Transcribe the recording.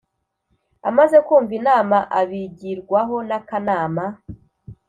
amaze kumva inama abigirwaho n Akanama